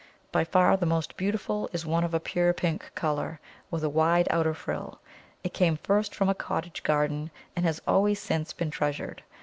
By far the most beautiful is one of a pure pink colour, with a wide outer frill. It came first from a cottage garden, and has always since been treasured.